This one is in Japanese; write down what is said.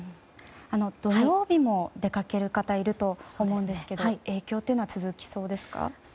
土曜日も出かける方がいると思うんですが影響は続きそうですか？